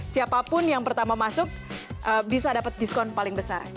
siapapun yang pertama masuk bisa dapat diskon paling besar